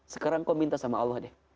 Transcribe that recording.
sekarang kau minta sama allah deh